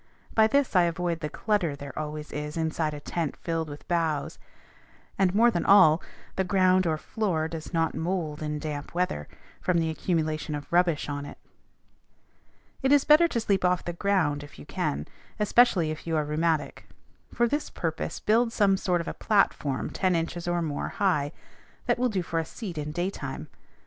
By this I avoid the clutter there always is inside a tent filled with boughs; and, more than all, the ground or floor does not mould in damp weather, from the accumulation of rubbish on it. It is better to sleep off the ground if you can, especially if you are rheumatic. For this purpose build some sort of a platform ten inches or more high, that will do for a seat in daytime.